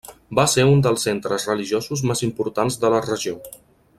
Va ser un dels centres religiosos més importants de la regió.